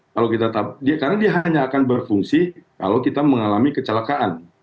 karena dia hanya akan berfungsi kalau kita mengalami kecelakaan